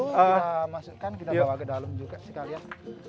kita masukkan kita bawa ke dalam juga sekalian